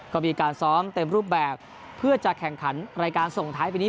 ก็มีการซ้อมเต็มรูปแบบเพื่อจะแข่งขันรายการส่งท้ายปีนี้